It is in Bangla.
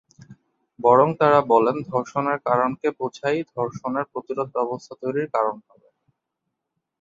বরং তারা বলেন, ধর্ষণের কারণকে বোঝাই ধর্ষণের প্রতিরোধ ব্যবস্থা তৈরির কারণ হবে।